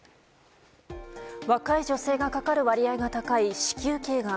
若い女性がかかる割合が高い子宮頸がん。